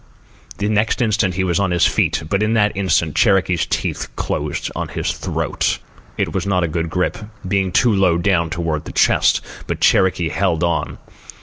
The next instant he was on his feet, but in that instant Cherokee's teeth closed on his throat. It was not a good grip, being too low down toward the chest; but Cherokee held on.